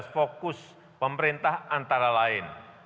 fokus pemerintah antara lain